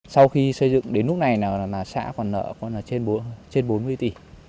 sau khi xây dựng đến lúc này là xã còn nợ trên bốn mươi tỷ